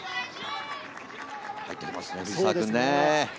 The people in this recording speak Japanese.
入ってきますね、藤澤君。